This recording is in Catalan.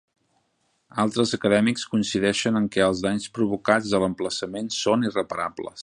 Altres acadèmics coincideixen en què els danys provocats a l"emplaçament són irreparables.